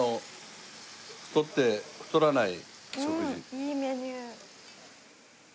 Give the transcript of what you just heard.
いいメニュー。